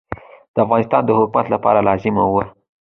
د افغانستان د حکومت لپاره لازمه وه.